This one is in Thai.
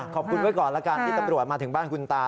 ขอบคุณไว้ก่อนละกันที่ตำรวจมาถึงบ้านคุณตา